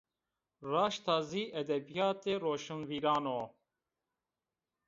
Raşt a zî edebîyatê roşnvîran o